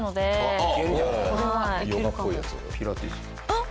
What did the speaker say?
あっ。